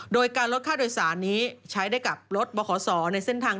โดยการลดค่าโดยสารนี้ใช้ได้กับรถบขศในเส้นทาง